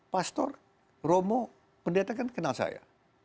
pastor romo pendeta kan kenal saya